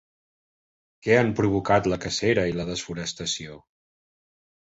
Què han provocat la cacera i la desforestació?